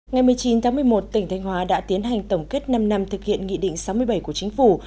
ngày một mươi chín tháng một mươi một tỉnh thanh hóa đã tiến hành tổng kết năm năm thực hiện nghị định sáu mươi bảy của chính phủ